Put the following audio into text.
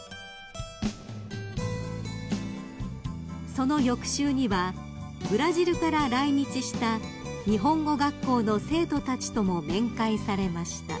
［その翌週にはブラジルから来日した日本語学校の生徒たちとも面会されました］